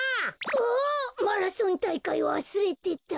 マラソンたいかいわすれてた。